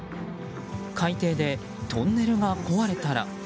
海底でトンネルが壊れたら。